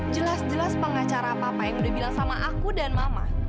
jelas jelas pengacara apa apa yang udah bilang sama aku dan mama